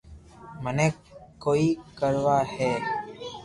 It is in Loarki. منو ڪوئي ڪروہ ھئ